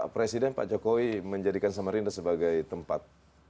presiden pak jokowi menjadikan samarinda sebagai tempat